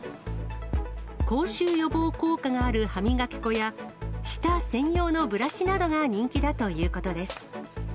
口臭予防効果がある歯磨き粉や、舌専用のブラシなどが人気だということです。